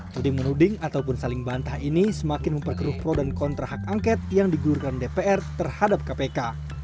tudi menuding ataupun saling bantah ini semakin memperkeruh pro dan kontra hak angket yang digulurkan dpr terhadap kpk